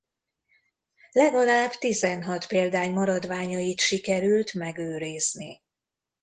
Legalább tizenhat példány maradványait sikerült megőrizni.